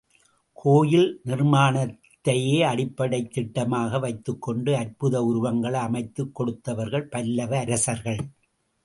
கோயில் நிர்மாணத்தையே அடிப்படைத் திட்டமாக வைத்துக் கொண்டு அற்புத உருவங்களை அமைத்துக் கொடுத்தவர்கள் பல்லவ அரசர்கள்.